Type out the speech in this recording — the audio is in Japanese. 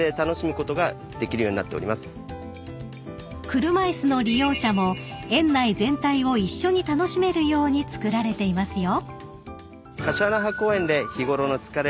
［車椅子の利用者も園内全体を一緒に楽しめるように造られていますよ］